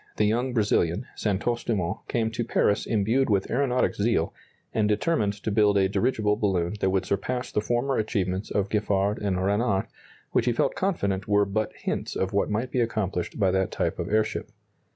] In 1898, the young Brazilian, Santos Dumont, came to Paris imbued with aeronautic zeal, and determined to build a dirigible balloon that would surpass the former achievements of Giffard and Renard, which he felt confident were but hints of what might be accomplished by that type of airship.